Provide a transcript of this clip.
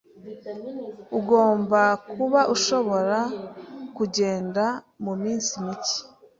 Ugomba kuba ushobora kugenda muminsi mike.